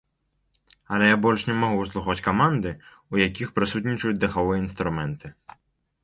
Але я больш не магу слухаць каманды, у якіх прысутнічаюць духавыя інструменты.